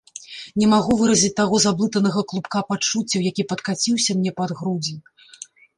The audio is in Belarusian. Не магу выразіць таго заблытанага клубка пачуццяў, які падкаціўся мне пад грудзі.